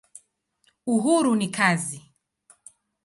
Uhuru ni kazi.